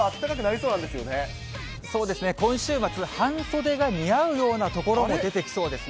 そうですね、今週末、半袖が似合うような所も出てきそうですね。